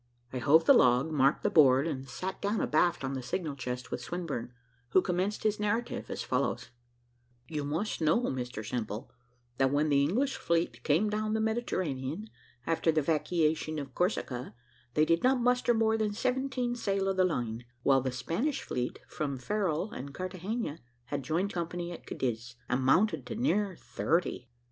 I hove the log, marked the board, and then sat down abaft on the signal chest with Swinburne, who commenced his narrative as follows: "You must know, Mr Simple, that when the English fleet came down the Mediterranean, after the 'vackyation of Corsica, they did not muster more than seventeen sail of the line, while the Spanish fleet from Ferrol and Carthagena had joined company at Cadiz, and mounted to near thirty.